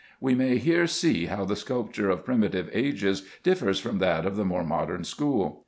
We may here see how the sculpture of primitive ages differs from that of the more modern school.